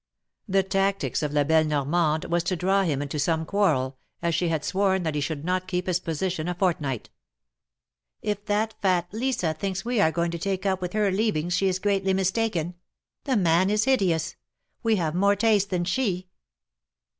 The tactics of La belle Normande was to draw him into 9 142 THE MARKETS OF PARIS. some quarrel, as she had sworn that he should not keep his position a fortnight. If that fat Lisa thinks we are going to take up with her leavings, she is greatly mistaken ! The man is hideous. We have more taste than she."